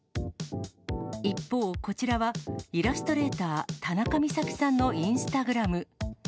一方、こちらはイラストレーター、たなかみさきさんのインスタグラム。